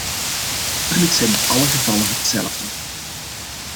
Natuurlijk zijn niet alle gevallen hetzelfde.